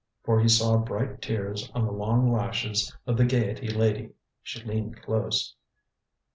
For he saw bright tears on the long lashes of the Gaiety lady. She leaned close.